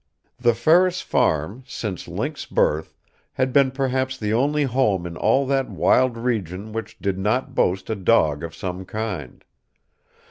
The Ferris farm, since Link's birth, had been perhaps the only home in all that wild region which did not boast a dog of some kind.